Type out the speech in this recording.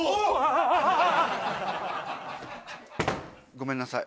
ごめんなさい